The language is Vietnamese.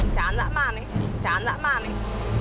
chán dã man ấy chán dã man ấy